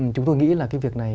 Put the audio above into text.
chúng tôi nghĩ là cái việc này